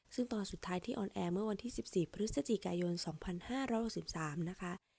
ซึ่งตอนสุดท้ายที่ออนแอร์เมื่อวันที่๑๔พฤศจิกายน๒๕๖๓นะคะ